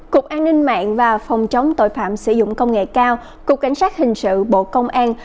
cục an ninh mạng và phòng chống tội phạm sử dụng công nghệ cao cục cảnh sát hình sự bộ công an